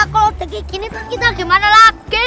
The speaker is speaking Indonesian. kalau tegik gini kita gimana lagi